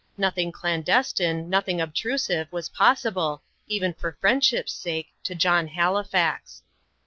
Nothing clandestine, nothing obtrusive, was possible, even for friendship's sake, to John Halifax.